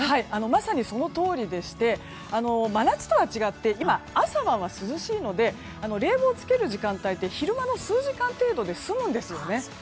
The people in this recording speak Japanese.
まさにそのとおりでして真夏とは違って今、朝晩は涼しいので冷房をつける時間帯って昼間の数時間程度で済むんですよね。